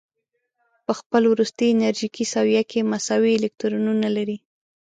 په خپل وروستي انرژیکي سویه کې مساوي الکترونونه لري.